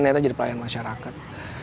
niatnya jadi pelayan masyarakat